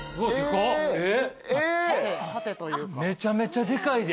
めちゃめちゃでかいで。